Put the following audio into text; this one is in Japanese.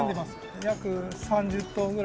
約３０頭ぐらい。